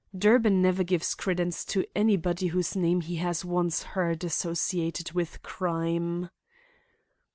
Durbin never gives credence to anybody whose name he has once heard associated with crime.